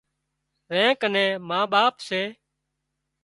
زين ڪنين ما ٻاپ سي